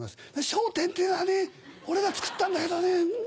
『笑点』っていうのは俺が作ったんだけどね